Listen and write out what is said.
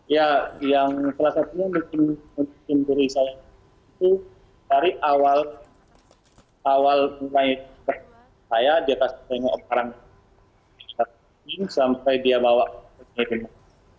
ya yang salah satunya mungkin diri saya itu dari awal mulai saya di atas tengok orang sampai dia bawa genap